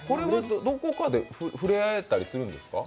どこかでふれあえたりするんですか？